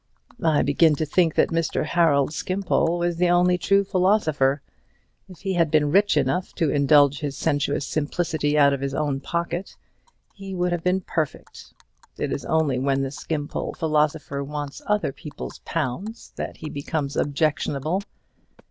I begin to think that Mr. Harold Skimpole was the only true philosopher. If he had been rich enough to indulge his sensuous simplicity out of his own pocket, he would have been perfect. It is only when the Skimpole philosopher wants other people's pounds that he becomes objectionable.